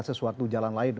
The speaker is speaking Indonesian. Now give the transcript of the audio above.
sesuatu jalan lain